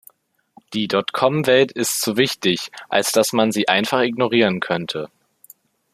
Die Dot-Com-Welt ist zu wichtig, als dass man sie einfach ignorieren könnte.